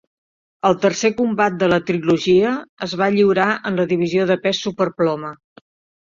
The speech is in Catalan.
El tercer combat de la trilogia es va lliurar en la divisió de pes superploma.